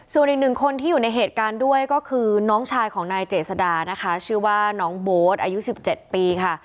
ส่วนอีกหนึ่งคนที่อยู่ในเหตุการณ์ด้วยก็คือน้องชายของนายเจษดานะคะชื่อว่าน้องโบ๊ทอายุ๑๗ปีค่ะ